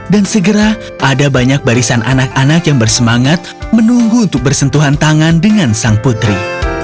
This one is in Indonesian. dan segera ada banyak barisan anak anak yang bersemangat menunggu untuk bersentuhan tangan dengan sang putri